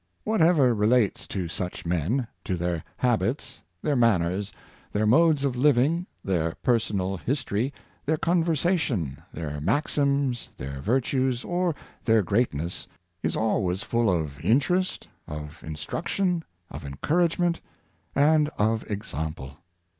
Whatever relates to such men — to their habits, their manners, their modes of living, their personal his tory, their conversation, their maxims, their virtues, or their greatness — is always 'full of interest, of instruc tion, of encouragement, and of example.